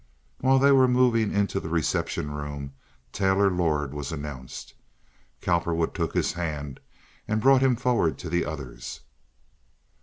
While they were moving into the reception room Taylor Lord was announced. Cowperwood took his hand and brought him forward to the others.